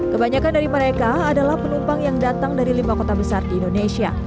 kebanyakan dari mereka adalah penumpang yang datang dari lima kota besar di indonesia